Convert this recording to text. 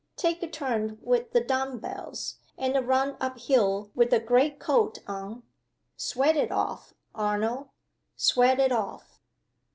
Take a turn with the dumb bells, and a run up hill with a great coat on. Sweat it off, Arnold! Sweat it off!"